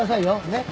ねっ。